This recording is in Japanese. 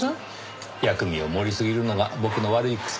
薬味を盛りすぎるのが僕の悪い癖。